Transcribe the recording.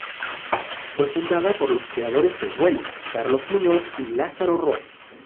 Fue fundada por los creadores de Vueling, Carlos Muñoz y Lázaro Ros.